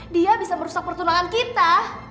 dia bisa merusak pertunangan kita